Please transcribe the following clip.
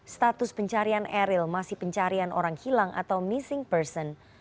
status pencarian eril masih pencarian orang hilang atau missing person